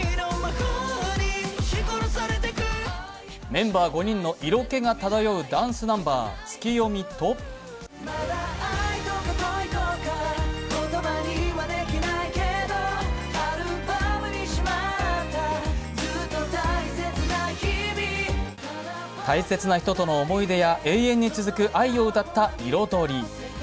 メンバー５人の色気が漂うダンスナンバー、「ツキヨミ」と大切な人との思い出や永遠に続く愛を歌った「彩り」。